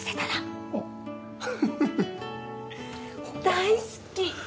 大好き！